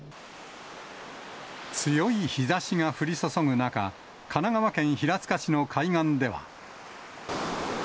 強い日ざしが降り注ぐ中、神奈川県平塚市の海岸では。